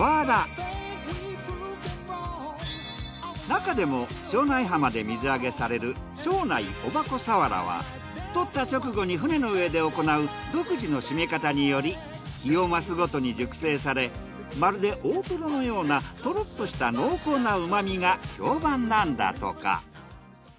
なかでも庄内浜で水揚げされる獲った直後に船の上で行う独自のシメ方により日を増すごとに熟成されまるで大トロのようなトロッとした濃厚な旨みが評判なんだとか。